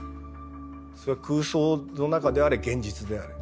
それは空想の中であれ現実であれ。